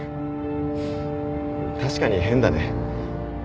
確かに変だね